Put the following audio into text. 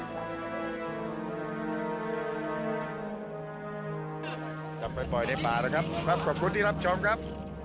กลับไปปล่อยในป่าแล้วครับครับขอบคุณที่รับชมครับ